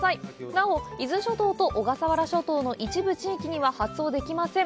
なお、伊豆諸島と小笠原諸島の一部地域には発送できません